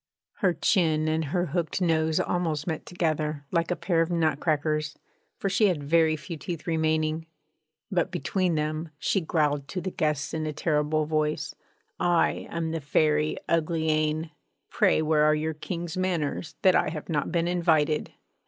Her chin and her hooked nose almost met together, like a pair of nut crackers, for she had very few teeth remaining; but between them she growled to the guests in a terrible voice: 'I am the Fairy Uglyane! Pray where are your King's manners, that I have not been invited?'